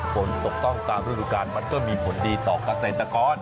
ฝนตกต้องตามฤดูการมันก็มีผลดีต่อเกษตรกร